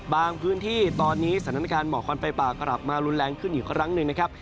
พื้นที่ตอนนี้สถานการณ์หมอกควันไฟป่ากลับมารุนแรงขึ้นอีกครั้งหนึ่งนะครับ